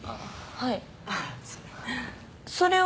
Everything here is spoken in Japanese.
はい。